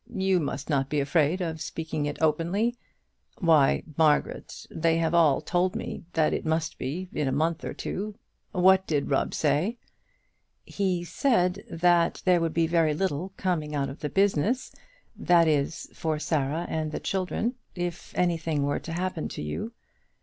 You must not be afraid of speaking of it openly. Why, Margaret, they have all told me that it must be in a month or two. What did Rubb say?" "He said that there would be very little coming out of the business that is, for Sarah and the children if anything were to happen to you."